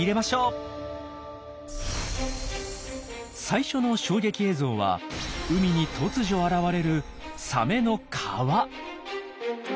最初の衝撃映像は海に突如現れるサメの川！